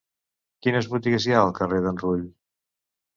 Quines botigues hi ha al carrer d'en Rull?